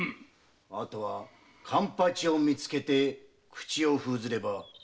あとは勘八を見つけて口を封じればすべては闇に。